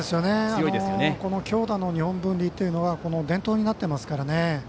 強打の日本文理というのは伝統になっていますからね。